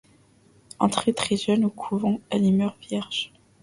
Entrée très jeune au couvent, elle y meurt vierge.